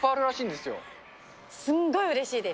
すんごいうれしいです。